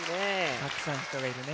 たくさんひとがいるね。